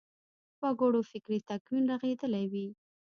وګړو فکري تکوین رغېدلی وي.